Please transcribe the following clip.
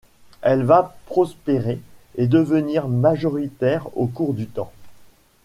Elle va prospérer et devenir majoritaire au cours du temps.